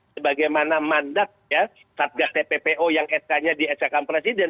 sebagaimana mandat ya satgas tppo yang sk nya di skk presiden